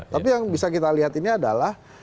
tapi yang bisa kita lihat ini adalah